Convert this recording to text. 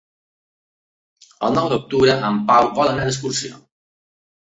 El nou d'octubre en Pau vol anar d'excursió.